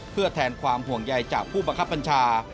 เพื่อแทนความห่วงใยจากผู้บังคับบัญชา